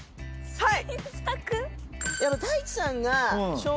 はい。